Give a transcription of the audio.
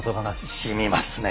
しみます。